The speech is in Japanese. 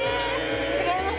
違います？